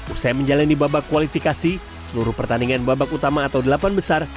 usai menjalani babak kualifikasi seluruh pertandingan babak utama atau delapan besar